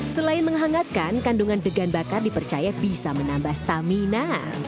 selain menghangatkan kandungan degan bakar dipercaya bisa menambah stamina